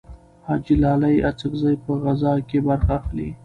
حاجي لالي اڅکزی په غزاکې برخه اخلي.